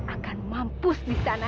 akan mampus di sana